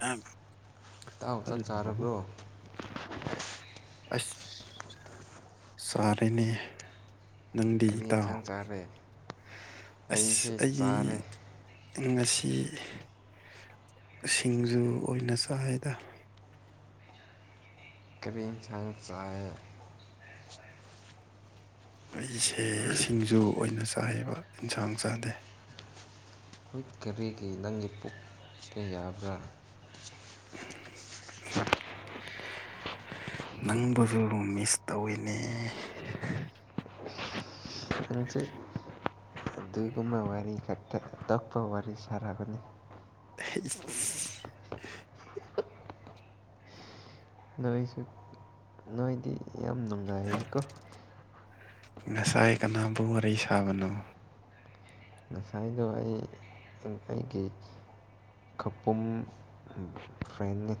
ꯑ ꯇꯥꯎ ꯆꯥꯛ ꯆꯥꯔꯕ꯭ꯔꯣ ꯑꯁ ꯁꯔꯦꯅꯦ ꯀꯔꯤ ꯌꯦꯟꯁꯥꯡ ꯆꯥꯔꯦ ꯑꯁ ꯑꯩꯁꯦ ꯑꯩ ꯆꯥꯔꯦ ꯉꯁꯤ ꯁꯤꯡꯖꯨ ꯑꯣꯏꯅ ꯆꯥꯏꯗ ꯀꯔꯤꯟꯁꯟꯁꯦ ꯑꯩꯁꯦ ꯏꯁꯤꯡꯁꯨ ꯑꯣꯏꯅ ꯆꯥꯏꯦꯕ ꯏꯟꯁꯥꯡ ꯆꯥꯗꯦ ꯍꯣꯏ ꯀꯔꯤꯒꯤ ꯅꯪꯒꯤ ꯄꯨꯛꯀꯦ ꯌꯥꯕ꯭ꯔꯥ [unintelligible] ꯅꯪꯕꯨꯁꯨ ꯃꯤꯁ ꯇꯧꯋꯤꯅꯦ ꯁꯦ ꯗꯨꯒꯨꯃ ꯋꯥꯔꯤꯔꯤ ꯀꯇ ꯇꯛꯄ ꯋꯥꯔꯤꯔꯤ ꯁꯔꯥꯒ [unintelligible] ꯅꯣꯏꯁꯨ ꯅꯣꯏꯗꯤ ꯌꯥꯝ ꯅꯨꯡꯉꯥꯏꯀꯣ ꯉꯁꯥꯏ ꯀꯅꯥꯕꯨ ꯋꯥꯔꯤꯩ ꯁꯥꯕꯅꯣ ꯉꯁꯥꯏꯗ ꯑꯩ ꯑꯩꯒꯤ ꯈꯄꯨꯝ ꯐ꯭ꯔꯥꯏꯅꯤ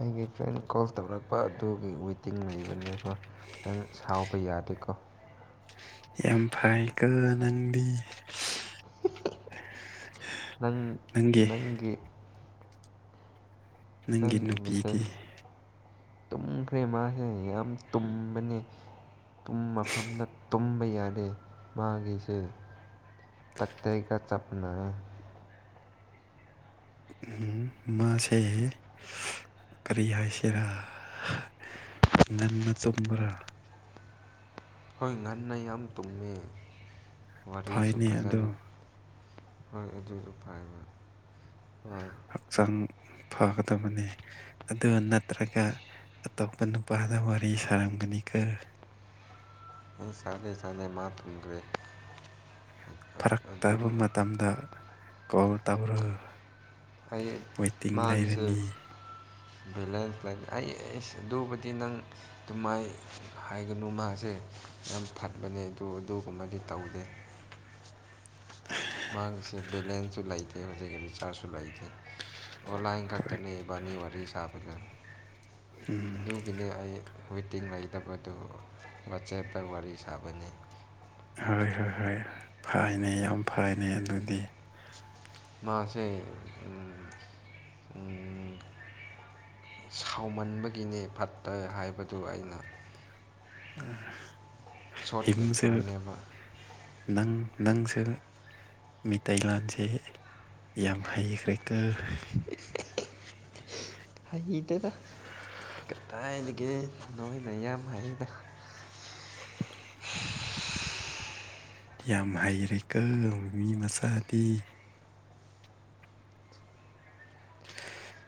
ꯑꯩꯒꯤ ꯐ꯭ꯔꯦꯟ ꯀꯣꯜ ꯇꯧꯔꯛꯄ ꯑꯗꯨꯒꯤ ꯋꯦꯇꯤꯡ ꯂꯩꯕꯅꯦꯀꯣ ꯅꯪ ꯁꯥꯎꯕ ꯌꯥꯗꯦꯀꯣ ꯑꯝꯐꯥꯏꯒ ꯅꯪꯗꯤ ꯅꯪ ꯅꯪꯒꯤ ꯅꯪꯒꯤ ꯃꯤꯁꯦꯁ ꯇꯨꯝꯈ꯭ꯔꯦ ꯃꯥꯁꯦ ꯌꯥꯝ ꯇꯨꯝꯕꯅꯤ ꯃꯐꯝꯗ ꯇꯨꯝꯕ ꯌꯥꯗꯦ ꯃꯥꯒꯤꯁꯦ ꯇꯀ ꯇꯩꯒ ꯆꯞꯅ ꯃꯥꯁꯍ ꯀꯔꯤ ꯍꯥꯏꯁꯤꯔꯥ ꯉꯟꯅ ꯇꯨꯝꯕ꯭ꯔꯥ ꯍꯣꯏ ꯉꯟꯅ ꯌꯥꯝ ꯇꯨꯝꯃꯤ ꯋꯥꯔꯤꯁꯨ ꯐꯩꯅꯦ ꯑꯗꯣ ꯐꯖꯅ ꯍꯣꯏ ꯑꯗꯨꯁꯨ ꯐꯥꯏ ꯐ ꯍꯛꯆꯥꯡ ꯐꯒꯗꯕꯅꯤ ꯑꯗꯨ ꯅꯠꯇ꯭ꯔꯒ ꯑꯇꯣꯞꯄ ꯅꯨꯄꯥꯗ ꯋꯥꯔꯤ ꯁꯥꯔꯝꯒꯅꯤ ꯈꯔ ꯎ ꯆꯗꯦ ꯆꯗꯦ ꯃꯥ ꯇꯈ꯭ꯔꯦ ꯐꯔꯛꯇꯕ ꯃꯇꯝꯗ ꯀꯣꯜ ꯇꯧꯔꯨ ꯑꯩ ꯋꯇꯤꯡ ꯂꯩꯔꯅꯤ ꯚꯦꯂꯦꯟꯁ ꯑꯩꯁ ꯑꯗꯨꯕꯨꯗꯤ ꯅꯪ ꯑꯗꯨꯃꯥꯏ ꯍꯥꯏꯒꯅꯨ ꯃꯥꯁꯦ ꯌꯥꯝ ꯐꯠꯕꯅꯦ ꯑꯗꯨ ꯑꯗꯨꯒꯨꯝꯕꯗꯤ ꯇꯧꯗꯦ ꯃꯥꯒꯤꯁꯦ ꯕꯦꯂꯦꯟꯁꯁꯨ ꯂꯩꯇꯦ ꯍꯧꯖꯤꯛꯀꯤ ꯔꯤꯆꯥꯔꯖꯁꯨ ꯂꯩꯇꯦ ꯑꯣ ꯂꯥꯏꯟ ꯍꯣꯏ ꯈꯛꯇꯅꯦꯕꯥꯅꯤ ꯋꯥꯔꯤ ꯁꯥꯕꯗ ꯎꯝ ꯑꯗꯨꯒꯤꯅꯦ ꯑꯩ ꯋꯤꯇꯤꯡ ꯂꯩꯇꯕꯗꯨ ꯋꯥꯆꯦꯞꯇ ꯋꯥꯔꯤ ꯁꯥꯕꯅꯤ ꯍꯣꯏ ꯍꯣꯏ ꯍꯣꯏ ꯐꯩꯅꯦ ꯌꯥꯝ ꯐꯩꯅꯦ ꯑꯗꯨꯗꯤ ꯃꯥꯁꯦ ꯁꯥꯎꯃꯟꯕꯒꯤꯅ‌ꯦ ꯐꯠꯇꯦ ꯍꯥꯏꯕꯗꯨ ꯑꯩꯅ ꯑ ꯁꯣꯔꯠ ꯍꯤꯝꯁ‌ꯦ ꯇꯦꯝꯄꯔꯅꯦꯕ ꯅꯪ ꯅꯪꯁꯦ ꯃꯤꯇꯩ ꯂꯥꯟꯁꯦ ꯌꯥꯝ ꯍꯩꯈ꯭ꯔꯦꯀꫭ ꯍꯩꯏꯇ‌ꯦꯗ ꯀꯗꯥꯏꯗꯒꯤ ꯅꯣꯏꯅ ꯌꯥꯝ ꯍꯩꯗ [unintelligible] ꯌꯥꯝ ꯍꯩꯔꯦꯀꯪ ꯃꯤ ꯃꯆꯥꯗꯤ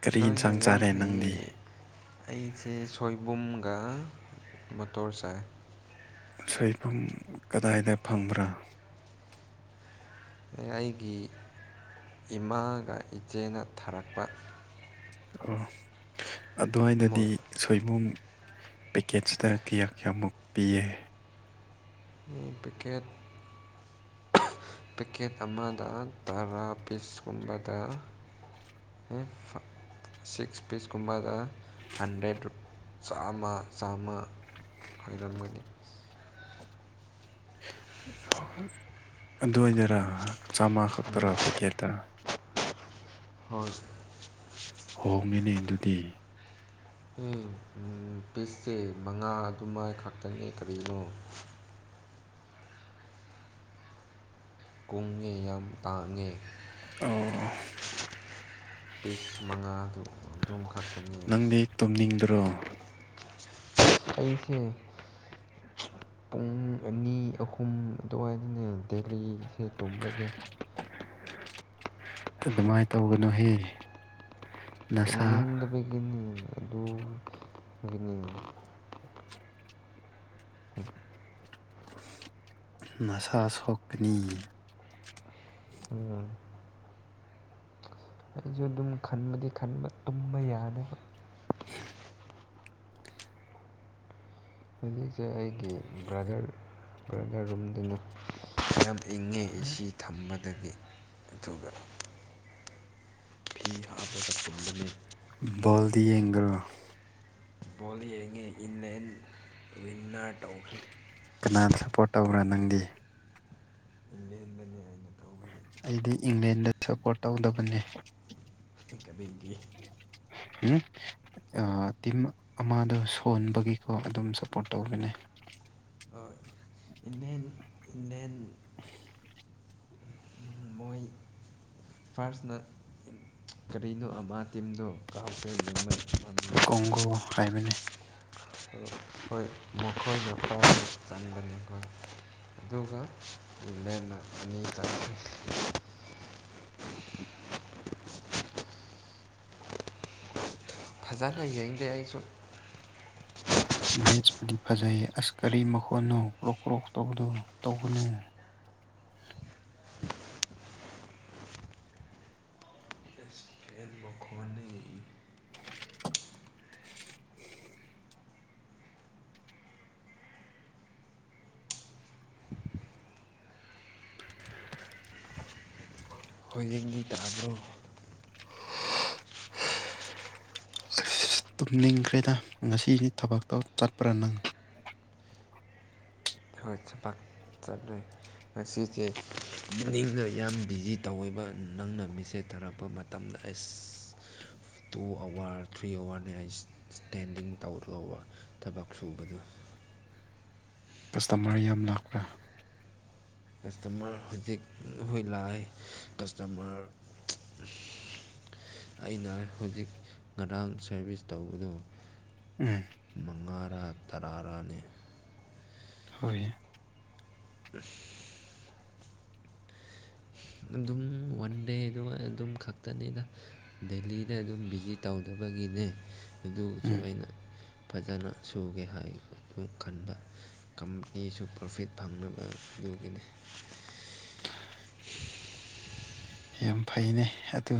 ꯀꯔꯤ ꯅꯣꯏꯅ ꯏꯟꯁꯥꯡ ꯌꯥꯝ ꯆꯥꯔꯦ ꯅꯪꯗꯤ ꯍꯩꯌ‌ꯦ ꯑꯩꯁꯦ ꯁꯣꯏꯕꯨꯝꯒ ꯃꯣꯇꯣꯔ ꯆꯥꯏ ꯁꯣꯏꯐꯨꯝ ꯀꯗꯥꯏꯗ ꯐꯪꯕ꯭ꯔꯥ ꯑꯩꯒꯤ ꯏꯃꯥꯒ ꯏꯆꯦꯅ ꯊꯥꯔꯛꯄ ꯑꯣ ꯑꯗꯨꯋꯥꯏꯗꯗꯤ ꯁꯣꯏꯕꯨꯝ ꯄꯦꯀꯦꯁꯇ ꯀꯌꯥ ꯀꯌꯥꯃꯨꯛ ꯄꯤꯌꯦ ꯑꯝ ꯄꯦꯀꯦꯠ ꯄꯦꯛꯀꯦꯠ ꯑꯃꯗ ꯇꯔꯥ ꯄꯤꯁ ꯀꯨꯝꯕꯗ ꯍ‌ꯦ ꯍꯛ ꯁꯤꯛꯁ ꯄꯤꯁꯀꯨꯝꯕꯒ ꯍꯟꯗ꯭ꯔꯦꯠ ꯔꯨꯞ ꯆꯥꯝꯃ ꯆꯥꯝꯃ ꯈꯣꯏꯔꯝꯒꯅꯤ ꯑꯗꯨꯋꯥꯏꯗꯔꯥ ꯆꯥꯝꯃꯥ ꯈꯛꯇꯔꯥ ꯄꯦꯀꯦꯠꯇ ꯍꯣꯏ ꯍꯣꯡꯉꯤꯅꯦ ꯑꯗꯨꯗꯤ ꯎꯝ ꯄꯤꯁꯁꯦ ꯃꯉꯥ ꯑꯗꯨꯃꯥꯏ ꯈꯛꯇꯅꯤ ꯀꯔꯤꯅꯣ ꯀꯨꯡꯉꯦ ꯌꯥꯝ ꯇꯥꯡꯉꯦ ꯑꯣ ꯄꯤꯁ ꯃꯉꯥꯗꯨ ꯑꯗꯨꯝ ꯈꯠꯇꯅ‌ꯦ ꯅꯪꯗꯤ ꯇꯨꯝꯅꯤꯡꯗ꯭ꯔꯣ ꯑꯩꯁ‌ꯦ ꯄꯨꯡ ꯑꯅꯤ ꯑꯍꯨꯝ ꯑꯗꯨꯋꯥꯏꯗꯅꯦ ꯗꯦꯜꯂꯤ ꯁꯗ ꯇꯨꯝꯕꯖ‌ꯦ ꯑꯗꯨꯃꯥꯏꯅ ꯇꯧꯒꯅꯨꯍꯦ ꯅꯁꯥ ꯇꯨꯝꯅꯤꯡꯗꯕꯒꯤꯅꯤ ꯑꯗꯨꯒꯤꯅꯤ [unintelligible] ꯅꯁꯥ ꯁꫭꯛꯀꯅꯤ ꯎꯝ ꯑꯩꯁꯨ ꯑꯗꯨꯝ ꯈꯟꯕꯗꯤ ꯈꯟꯕ ꯇꯨꯝꯕ ꯌꯥꯗꯕ [unintelligible] ꯍꯧꯖꯤꯛꯁꯦ ꯑꯩꯒꯤ ꯕ꯭ꯔꯗꯔ ꯕ꯭ꯔꯗꯔ ꯑ‌ꯦ ꯑ‍ꯦ ꯁꯤ ꯊꯝꯕ ꯑꯗꯨꯒꯤ ꯑꯗꯨꯒ ꯐꯤ ꯍꯥꯞꯄꯗ ꯇꯨꯝꯕꯅ‌ꯦ ꯕꫭꯜꯗꯤ ꯌ‌ꯦꯡꯗ꯭ꯔꯣ ꯆ‌ꯦꯡꯉ‌ꯦ ꯏꯅ‌ꯦꯟ ꯋꯤꯟꯅꯔ ꯇꯧꯈ꯭ꯔꯦ ꯀꯅꯥꯗ ꯁꯞꯄꯣꯠ ꯇꯧꯕ꯭ꯔꯥ ꯅꯪꯗꯤ ꯏꯪꯂꯦꯟꯗꯅꯦ ꯑꯩꯅ ꯇꯧꯕꯗꯤ ꯑꯩꯗꯤ ꯏꯪꯂꯦꯟꯗ ꯁꯄꯣꯔꯠ ꯇꯧꯗꯕꯅꯤ ꯀꯥꯔꯤꯒꯤ ꯍꯨꯝ ꯑ ꯇꯤꯝ ꯑꯃꯗꯣ ꯁꯣꯟꯕꯒꯤꯀꯣ ꯑꯗꯨꯝ ꯁꯞꯄꯣꫪꯠ ꯇꯧꯕꯅ‌ꯦ ꯑ ꯏꯅꯦꯟ [unintelligible] ꯃꯣꯏ ꯐꯥꯔꯁꯅ ꯀꯔꯤꯅꯣ ꯑꯃ ꯇꯤꯝꯗꯣ ꯀꯥꯎꯈꯔ‌ꯦ ꯀꯣꯡꯒꯣ ꯍꯥꯏꯕꯅꯦ ꯍꯣꯏ ꯃꯈꯣꯏꯅ ꯄꯥꯏ ꯆꯟꯕꯅꯤꯀꫭ ꯑꯗꯨꯒ ꯂ‌ꯦꯝꯅ ꯑꯅꯤ ꯆꯟꯈꯔ꯭ꯦ ꯐꯖꯅ ꯌꯦꯡꯗꯦ ꯑꯩꯁꯨ ꯃꯦꯠꯁꯄꯨꯗꯤ ꯐꯖꯩꯌ‌ꯦ ꯑꯁ ꯀꯔꯤ ꯃꯈꯣꯟꯅꯣ ꯀ꯭ꯔꯣꯛ ꯀ꯭ꯔꯣꯛ ꯇꯧꯕꯗꯨ ꯇꯧꯒꯅꯨ ꯐꯦꯟ ꯃꯈꯣꯟꯅ [unintelligible] ꯒꯤꯗ ꯍꯥꯏꯕꯣ ꯑꯁ ꯇꯨꯝꯅꯤꯡꯈ꯭ꯔꯦꯗ ꯉꯁꯤꯗꯤ ꯊꯕꯛꯇꯣ ꯆꯠꯄ꯭ꯔꯥ ꯅꯪ ꯍꯠ ꯆꯄ ꯆꯠꯂꯦ ꯉꯁꯤꯁꯦ ꯄꯨꯛꯅꯤꯡꯅ ꯌꯥꯝ ꯕꯤꯖꯤ ꯇꯧꯋꯦꯕ ꯅꯪꯅ ꯃꯤꯁꯦꯖ ꯊꯥꯔꯛꯄ ꯃꯇꯝꯗ ꯑꯩ ꯇꯨ ꯑꯋꯥꯔ ꯊ꯭ꯔꯤ ꯑꯋꯥꯔꯅꯦ ꯑꯩ ꯏꯁꯇꯦꯟꯗꯤꯡ ꯇꯧꯕ ꯊꯕꯛ ꯁꯨꯕꯗꯨꯣ [inaudible] ꯀꯁꯇꯃꯔ ꯌꯥꯝ ꯂꯥꯛꯄ꯭ꯔꯥ ꯀꯁꯇꯃꯔ ꯍꯧꯖꯤꯛ ꯑꯩꯏ ꯂꯥꯛꯑ ꯀꯁꯇꯃꯔ ꯑꯩꯅ ꯍꯧꯖꯤꯛ ꯉꯔꯥꯡ ꯁꯥꯔꯚꯤꯁ ꯇꯧꯕꯗꯣ ꯎꯝ ꯃꯉꯥꯔꯥ ꯇꯔꯥꯔꯥꯅꯤ ꯍꯣꯏ ꯑ ꯑꯗꯨꯝ ꯋꯥꯟ ꯗꯦꯗ ꯑꯗꯨꯝ ꯈꯛꯇꯅꯤꯅ ꯗꯦꯂꯤꯗ ꯑꯗꯨꯝ ꯚꯤꯖꯤꯠ ꯇꯧꯗꯕ ꯒꯤꯒꯤꯅꯦ ꯑꯗꯨꯁꯨ ꯎꯝ ꯑꯩꯅ ꯐꯖꯅ ꯁꯨꯒꯦ ꯍꯥꯏꯕꯗꯨ ꯈꯟꯕ ꯀꯝꯄꯅꯤꯁꯨ ꯄ꯭ꯔꯣꯐꯤꯠ ꯐꯪꯅꯕ ꯑꯗꯨꯒꯤꯅꯦ ꯌꯥꯝ ꯐꯩꯅꯦ ꯑꯗꯨ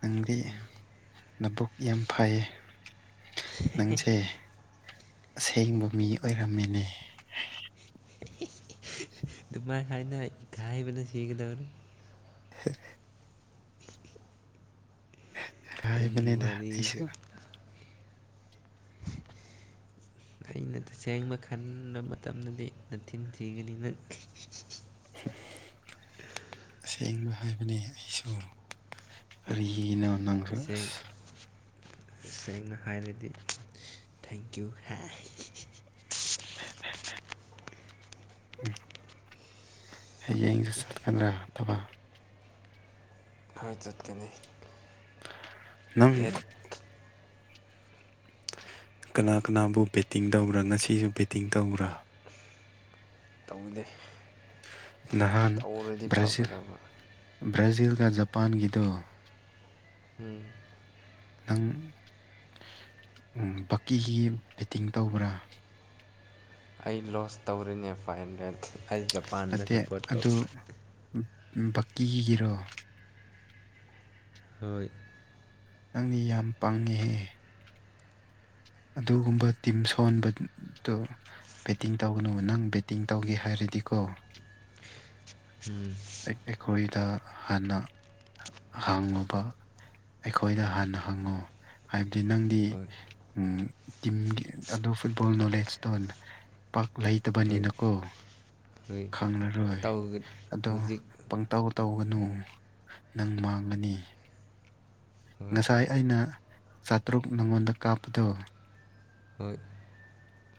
ꯅꯪꯗꯤ ꯂꯕꯨꯛ ꯌꯥꯝ ꯐꯩꯌꯦ ꯅꯪꯁꯦ ꯑꯁꯦꯡꯕ ꯃꯤ ꯑꯣꯏꯔꯝꯃꯤꯅꯦ ꯗꯨꯃꯥꯏ ꯍꯥꯏꯅꯔꯗꯤ ꯏꯀꯥꯏꯕꯅꯥ ꯁꯤꯒꯤ ꯇꯧꯏ ꯐ ꯑꯪꯒꯤ ꯍꯥꯏꯕꯅꯤꯗ ꯃꯔꯤꯗ ꯑꯩꯁꯨ [inaudible] ꯑꯩꯅ ꯇꯁꯦꯡꯕ ꯈꯟꯕ ꯃꯇꯝꯗꯗꯤ ꯅꯊꯤꯟ ꯊꯤꯒꯅꯤꯅ ꯑꯁꯦꯡꯕ ꯍꯥꯏꯕꯅꯤ ꯑꯩꯁꯨ ꯀꯔꯤꯅꯣ ꯅꯪꯁꯦ ꯏꯁꯦꯡ ꯑꯁ ꯁꯦꯡꯅ ꯍꯥꯏꯔꯗꯤ ꯊꯦꯡꯀ꯭ꯌꯨ ꯍꯥꯏ [inaudible] ꯎ ꯍ ꯌꯦꯡꯁ ꯆꯠꯀꯗ꯭ꯔꯥ ꯊꯕ ꯍꯣꯏ ꯆꯠꯀꯅꯤ ꯎꯝ ꯗꯦꯠ ꯀꯅꯥ ꯀꯅꯥꯕꯨ ꯕꯦꯠꯇꯤꯡ ꯇꯧꯕ꯭ꯔꯥ ꯉꯁꯤꯁꯨ ꯕꯦꯠꯇꯤꯡ ꯇꯧꯕ꯭ꯔꯥ ꯇꯧꯗꯦ ꯅꯍꯥꯟ ꯇꯧꯔꯗꯤ ꯕ꯭ꯔꯥꯖꯤꯜ ꯐꯒꯗꯕ ꯕ꯭ꯔꯥꯖꯤꯜꯒ ꯖꯄꯥꯟꯒꯤꯗꯣ ꯎꯝ ꯈꯤꯇꯪ ꯕꯛꯀꯤꯒꯤ ꯐꯤꯠꯇꯤꯡ ꯇꯧꯕ꯭ꯔꯥ ꯑꯩ ꯂꯣꯁ ꯇꯧꯔꯤꯅꯦ ꯐꯥꯏꯚ ꯍꯟꯗ꯭ꯔꯦꯠ ꯑꯩ ꯖꯄꯥꯟꯗ ꯁꯞꯄꯣꯔꯠ ꯇꯧ ꯕꯀꯤꯒꯤꯔꯣ ꯍꯣꯏ ꯅꯪꯗꯤ ꯌꯥꯝ ꯄꯥꯡꯉꯤꯍꯦꯍ ꯑꯗꯨꯒꯨꯝꯕ ꯇꯤꯝ ꯁꯣꯟꯕꯗꯨ ꯕꯦꯇꯤꯡ ꯇꯧꯒꯅꯨꯕ ꯅꯪ ꯕꯦꯇꯤꯡ ꯇꯧꯒꯦ ꯍꯥꯏꯔꯗꯤ ꯈꯣ [inaudible] ꯎꯝ ꯑꯩꯈꯣꯏꯗ ꯍꯥꯟꯅ ꯍꯥꯡꯉꯨꯕ ꯑꯩꯈꯣꯏꯗ ꯍꯥꯟꯅ ꯍꯥꯡꯉꯨ ꯍꯥꯏꯕꯗꯤ ꯅꯪꯗꯤ ꯍꯣꯏ ꯇꯤꯝꯒꯤ ꯑꯗꯨ ꯐꯨꯠꯕꯣꯜ ꯅꯣꯂꯦꯖꯇꯣ ꯄꯥꯛ ꯂꯩꯇꯕꯅꯤꯅꯀꯣ ꯍ ꯈꯪꯉꯔꯣꯏ ꯑꯗꯣ ꯄꯪꯇꯥꯎ ꯇꯧꯒꯅꯨ ꯅꯪ ꯃꯥꯡꯒꯅꯤ ꯍꯣꯏ ꯉꯁꯥꯏ ꯑꯩꯅ ꯆꯥꯇ꯭ꯔꯨꯛ ꯅꯉꯣꯟꯗ ꯀꯥꯞꯄꯗꯣ ꯍꯣꯏ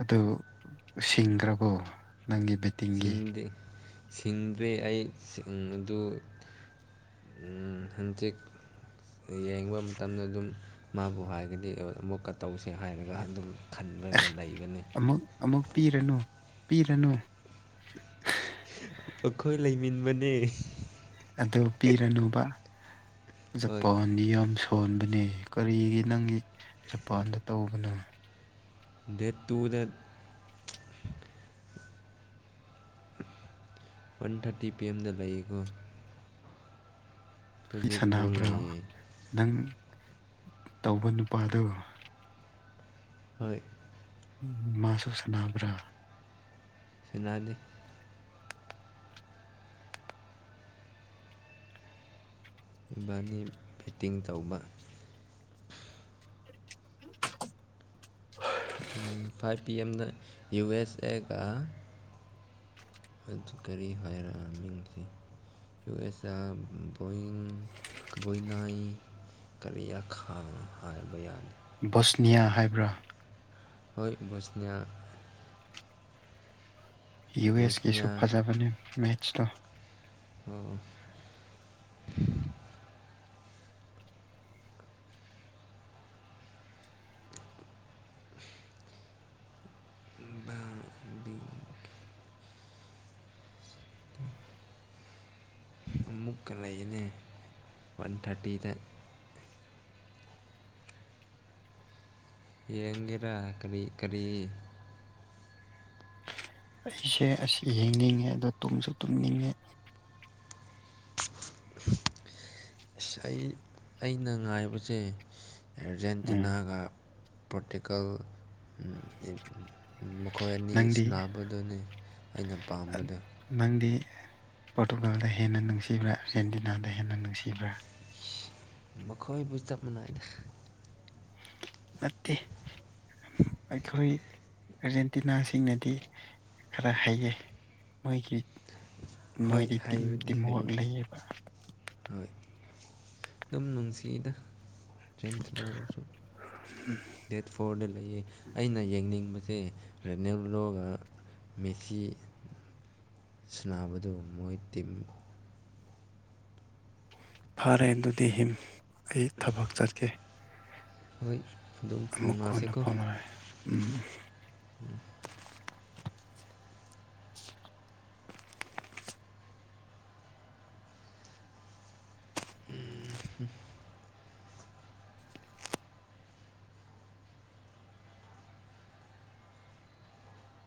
ꯑꯗꯨ ꯁꯤꯡꯈ꯭ꯔꯕꯣ ꯅꯪꯒꯤ ꯕꯦꯠꯇꯤꯡꯒꯤ ꯁꯤꯡꯗ꯭ꯔꯤ ꯑꯩꯁꯤꯡ ꯑꯗꯨ ꯍꯟꯇꯤꯛ ꯌꯦꯡꯕ ꯃꯇꯝꯗ ꯑꯗꯨꯝ ꯃꯥꯕꯨ ꯍꯥꯏꯔꯒꯗꯤ ꯑꯃꯨꯛꯀ ꯇꯧꯁꯦ ꯍꯥꯏꯔꯒ ꯑꯗꯨꯝ ꯈꯟꯂꯒ ꯂꯩꯕꯅꯤ ꯑꯃꯨꯛ ꯑꯃꯨꯛ ꯄꯤꯔꯅꯨ ꯄꯤꯔꯅꯨ ꯑꯩꯈꯣꯏ ꯂꯩꯃꯤꯕꯅꯦ ꯑꯗꯨ ꯄꯤꯔꯅꯨꯕ ꯆ ꯍꯣꯏ ꯆꯖꯄ ꯅꯤꯌꯣꯝ ꯁ ꯐꯣꯟꯕꯅꯦ ꯀꯔꯤꯒꯤ ꯅꯪꯒꯤ ꯖꯄꯥꯟꯗ ꯇꯧꯕꯅꯣ ꯗꯠꯇꯨꯗ ꯋꯥꯟ ꯊꯥꯔꯇꯤ ꯄꯤ ꯑꯦꯝꯗ ꯂꯩꯌꯦꯀꯣ ꯑꯩ ꯍꯧꯖꯤꯛ ꯕꯣꯜ ꯁꯥꯟꯅꯕ꯭ꯔꯥ ꯂꯩꯌꯦ ꯅꯪ ꯇꯧꯕ ꯅꯨꯄꯥꯗꯣ ꯍꯣꯏ ꯃꯥꯁꯨ ꯁꯅꯕ꯭ꯔꯥ ꯐꯅꯥꯜꯗꯦ ꯕꯥꯅꯤ ꯦꯠꯇꯤꯡ ꯇꯧꯕ ꯍ [unintelligible] ꯐꯥꯏꯚ ꯄꯤ ꯑꯦꯝꯗ ꯌꯨ ꯑꯦꯁ ꯑꯦꯒ ꯑꯗꯨ ꯀꯔꯤ ꯍꯥꯏꯔꯛꯑꯃꯤꯡꯁꯦ ꯌꯨ ꯑꯦꯁ ꯑꯤꯡ ꯣꯏꯅꯥꯏ ꯀꯕꯤ ꯌꯥ ꯈꯥ ꯍꯥꯏꯕ ꯌꯥꯅꯤ ꯕꯁꯅꯤꯌꯥ ꯍꯥꯏꯕ꯭ꯔꯥ ꯍꯣꯏ ꯁꯅ ꯌꯨ ꯑꯦꯁ ꯀꯁꯨ ꯐꯖꯕꯅꯦ ꯃꯦꯠꯁꯇꯣ ꯑꯣ ꯑꯃꯨꯛꯀ ꯂꯩꯒꯅꯦ ꯋꯥꯟ ꯊꯥꯔꯇꯤꯗ ꯌꯦꯡꯒꯔꯥ ꯀꯔꯤ ꯀꯔꯤ ꯑꯩꯁꯦ ꯑꯁ ꯌꯦꯡꯅꯤꯡꯉꯦ ꯑꯗꯣ ꯇꯨꯝꯁꯨ ꯇꯨꯝꯅꯤꯡꯉꯦ ꯁ ꯑꯩ ꯑꯩꯅ ꯉꯥꯏꯕꯁꯦ ꯎꯝ ꯑꯔꯖꯦꯟꯇꯤꯅꯥꯒ ꯄ꯭ꯔꯣꯇꯤꯀꯜ ꯃꯈꯣꯏ ꯑꯅꯤ ꯅꯪꯗꯤ ꯁꯟꯅꯕꯗꯨꯅꯤ ꯑꯩꯅ ꯄꯥꯝꯕꯗ ꯅꯪꯗꯤ ꯄꯣꯔꯇꯨꯒꯥꯜꯗ ꯍꯦꯟꯅ ꯅꯨꯡꯁꯤꯕ꯭ꯔꯥ ꯑꯥꯔꯖꯦꯟꯇꯤꯅꯥꯗ ꯍꯦꯟꯅ ꯅꯨꯡꯁꯤꯕ꯭ꯔꯥ ꯃꯈꯣꯏꯕꯨ ꯆꯞ ꯃꯅꯥꯏꯗ ꯅꯠꯇꯦ ꯑꯩꯈꯣꯏ ꯑꯥꯔꯖꯦꯟꯇꯤꯅꯥꯁꯤꯡꯅꯗꯤ ꯈꯔ ꯍꯩꯌꯦꯩ ꯃꯣꯏꯒꯤ ꯍꯣꯏ ꯅꯣꯏꯗꯤ ꯇꯝ ꯍꯩꯕꯨꯗꯤ ꯇꯤꯃꯣꯛ ꯍꯩ ꯂꯩꯌꯦꯕ ꯍꯣꯏ ꯑꯗꯨꯝ ꯅꯨꯡꯁꯤꯅ ꯆꯦꯟꯕꯨꯁꯨ ꯗꯦꯠ ꯐꯣꯔꯗ ꯂꯩꯌꯦ ꯑꯩꯅ ꯌꯦꯡꯅꯤꯡꯕꯁꯦ ꯔꯦꯅꯦꯂꯣꯒ ꯃꯦꯊꯤ ꯁꯨꯕꯗꯨ ꯃꯣꯏ ꯇꯤꯝ ꯐꯔꯦ ꯑꯗꯨꯗꯤ ꯍꯝ ꯑꯩ ꯊꯕꯛ ꯆꯠꯀꯦ ꯍꯣꯏ ꯑꯗꯨꯝ ꯑꯃꯨꯛ ꯀꯣꯟꯅ ꯐꯣꯡꯅꯁꯤꯦꯀꯣ ꯎ ꯐꯥꯎꯅꯔꯦ ꯎꯝ ꯎ